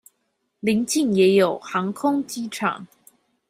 鄰近也有航空機場